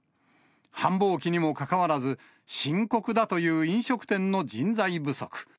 繁忙期にもかかわらず、深刻だという飲食店の人材不足。